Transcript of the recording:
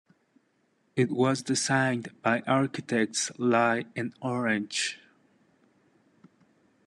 It was designed by architects Leigh and Orange.